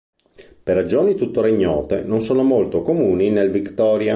Per ragioni tuttora ignote, non sono molto comuni nel Victoria.